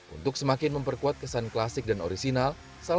untuk semakin memperkuat kesan klasik dan orisinal